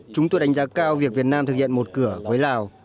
chúng tôi đánh giá cao việc việt nam thực hiện một cửa với lào